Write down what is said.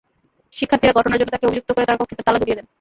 শিক্ষার্থীরা ঘটনার জন্য তাঁকে অভিযুক্ত করে তাঁর কক্ষে তালা ঝুলিয়ে দেন।